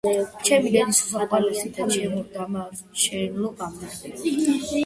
ჩემო დედის უსაყვარლესო და ჩემო დამარჩენელო გამზრდელო.